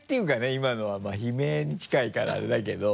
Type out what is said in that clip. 今のはまぁ悲鳴に近いからあれだけど。